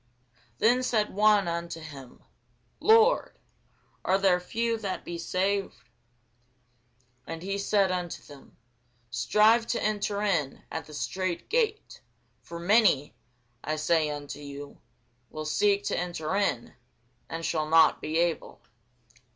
Then said one unto him, Lord, are there few that be saved? And he said unto them, Strive to enter in at the strait gate: for many, I say unto you, will seek to enter in, and shall not be able.